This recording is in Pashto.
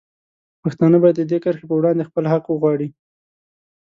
پښتانه باید د دې کرښې په وړاندې خپل حق وغواړي.